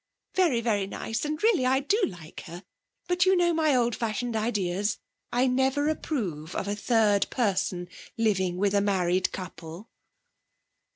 'Very very nice; and really I do like her. But you know my old fashioned ideas. I never approve of a third person living with a married couple.'